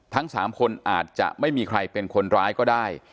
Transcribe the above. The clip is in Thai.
ทั้ง๓คนอาจจะไม่มีใครเป็นคนร้ายก็ได้